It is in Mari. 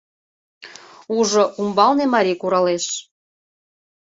Ужо: умбалне марий куралеш